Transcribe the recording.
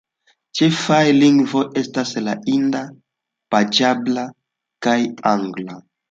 Ĉefaj lingvoj estas la hinda, panĝaba kaj angla.